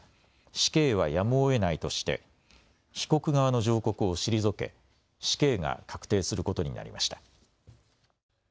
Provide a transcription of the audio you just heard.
死刑はやむをえないとして被告側の上告を退け死刑が確定することになりました。